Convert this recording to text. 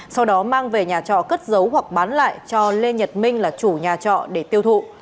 sau đó mang về nhà trọ cất giấu hoặc bán lại cho lê nhật minh là chủ nhà trọ để tiêu thụ